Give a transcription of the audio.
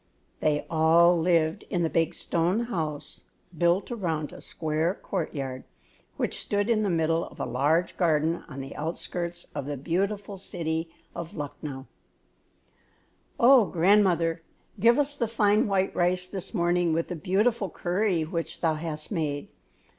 They all lived in the big stone house, built around a square courtyard, which stood in the middle of a large garden on the outskirts of the beautiful city of Lucknow. "Oh, grandmother, give us the fine white rice this morning with the beautiful curry which thou hast made!